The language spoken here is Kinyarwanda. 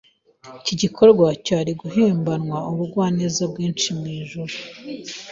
icyo gikorwa cyari guhembanwa ubugwaneza bwinshi mu ijuru